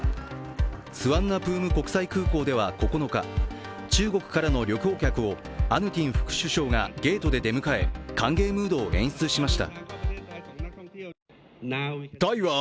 スワンナプーム国際空港では９日、中国からの旅行客をアヌティン副首相がゲートで出迎え、歓迎ムードを演出しました。